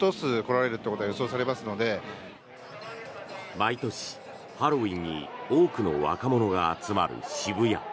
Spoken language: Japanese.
毎年、ハロウィーンに多くの若者が集まる渋谷。